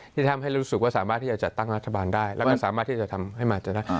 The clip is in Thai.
ที่ทำให้รู้สึกว่าสามารถที่จะจัดตั้งรัฐบาลได้แล้วก็สามารถที่จะทำให้มาจะได้